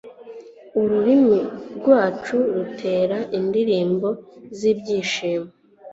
ururimi rwacu rutera indirimbo z'ibyishimo